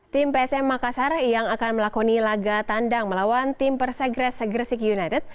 tim psm makassar yang akan melakoni laga tandang melawan tim persegres gresik united